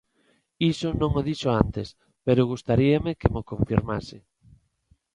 Iso non o dixo antes, pero gustaríame que mo confirmase.